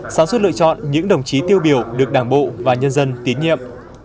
sáng suốt lựa chọn những đồng chí tiêu biểu được đảng bộ và nhân dân tín nhiệm